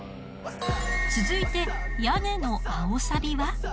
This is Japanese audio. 続いて屋根の青サビは？